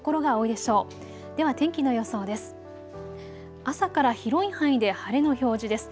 では天気の予想です。